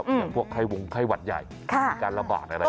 อย่างพวกไข้วงไข้หวัดใหญ่มีการระบาดนะครับ